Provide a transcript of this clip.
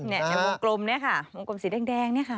ในวงกลมเนี่ยค่ะวงกลมสีแดงเนี่ยค่ะ